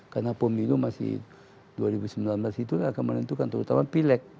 karena pom itu masih dua ribu sembilan belas itu akan menentukan terutama pileg